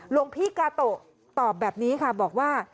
หลวงพี่กาโตะตอบแบบนี้ค่ะบอกว่า